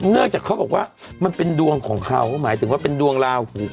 เนื่องจากเขาบอกว่ามันเป็นดวงของเขาหมายถึงว่าเป็นดวงลาหู